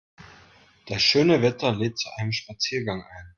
Das schöne Wetter lädt zu einem Spaziergang ein.